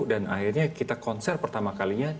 dan akhirnya kita konser pertama kalinya